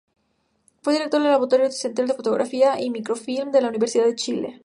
Fue director del Laboratorio Central de Fotografía y Microfilm de la Universidad de Chile.